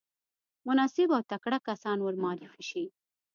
مناسب او تکړه کسان ورمعرفي شي.